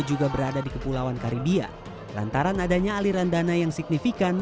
juga berada di kepulauan karibia lantaran adanya aliran dana yang signifikan